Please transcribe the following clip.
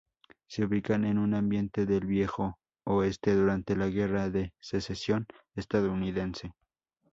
Se ubican en un ambiente del viejo oeste durante la Guerra de Secesión estadounidense.